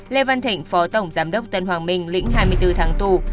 lê văn thịnh phó tổng giám đốc tân hoàng minh lĩnh hai mươi bốn tháng tù